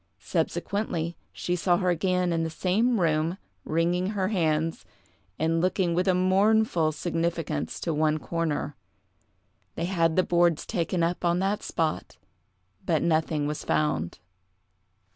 Subsequently, she saw her again in the same room, wringing her hands, and looking with a mournful significance to one corner. They had the boards taken up on that spot, but nothing was found.